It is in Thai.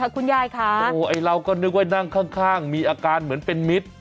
คุณยายค่ะโอ้โหไอ้เราก็นึกว่านั่งข้างข้างมีอาการเหมือนเป็นมิตร